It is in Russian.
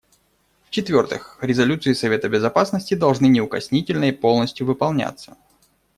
В-четвертых, резолюции Совета Безопасности должны неукоснительно и полностью выполняться.